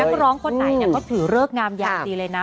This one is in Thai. นักร้องคนไหนก็ถือเลิกงามอย่างดีเลยนะ